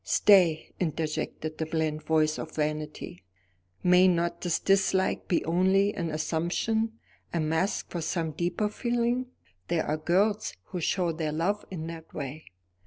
"Stay," interjected the bland voice of Vanity; "may not this dislike be only an assumption, a mask for some deeper feeling? There are girls who show their love in that way.